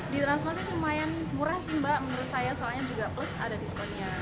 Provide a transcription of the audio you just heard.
di transmart sih lumayan murah sih mbak menurut saya soalnya juga plus ada diskonnya